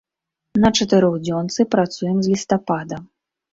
На чатырохдзёнцы працуем з лістапада.